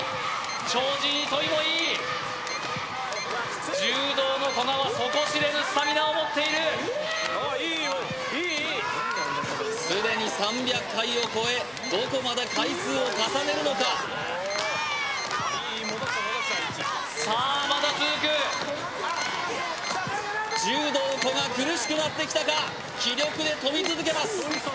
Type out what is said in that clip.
超人・糸井もいい柔道の古賀は底知れぬスタミナを持っているあっいいよいいいいすでに３００回を超えどこまで回数を重ねるのかさあまだ続く柔道・古賀苦しくなってきたか気力で跳び続けます